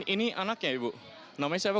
ini anaknya ibu namanya siapa